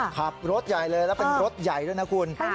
ขับรถใหญ่เลยแล้วเป็นรถใหญ่ด้วยนะคุณ